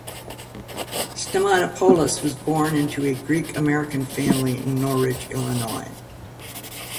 Stamatopoulos was born into a Greek-American family in Norridge, Illinois.